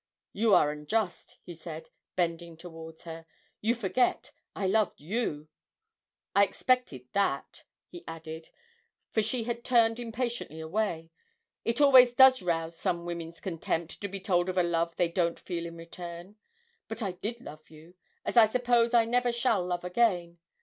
'You are unjust,' he said, bending towards her. 'You forget I loved you! I expected that,' he added, for she had turned impatiently away; 'it always does rouse some women's contempt to be told of a love they don't feel in return. But I did love you, as I suppose I never shall love again.